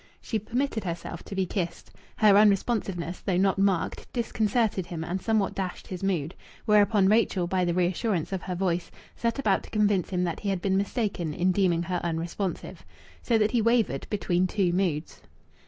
She permitted herself to be kissed. Her unresponsiveness, though not marked, disconcerted him and somewhat dashed his mood. Whereupon Rachel, by the reassurance of her voice, set about to convince him that he had been mistaken in deeming her unresponsive. So that he wavered between two moods.